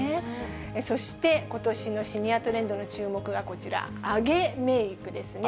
そしてことしのシニアトレンドの注目がこちら、アゲメークですね。